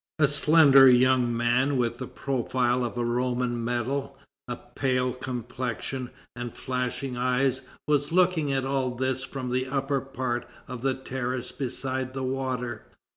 A slender young man, with the profile of a Roman medal, a pale complexion, and flashing eyes, was looking at all this from the upper part of the terrace beside the water.